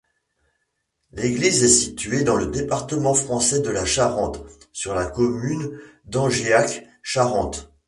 L'église est située dans le département français de la Charente, sur la commune d'Angeac-Charente.